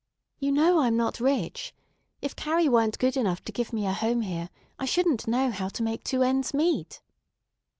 "You know I'm not rich. If Carrie weren't good enough to give me a home here, I shouldn't know how to make two ends meet."